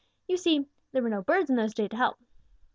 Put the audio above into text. You see, there were no birds in those days to help.